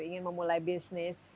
ingin memulai bisnis